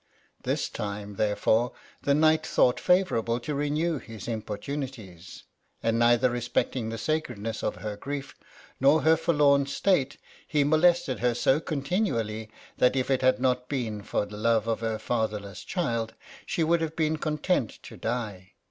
This time, therefore, the knight thought favourable to renew his importunities, and neither respecting the sacredness of her grief, nor her forlorn state, he molested her so continually, that if it had not Ijeen for the love of her fatherless child, she would have been content to die.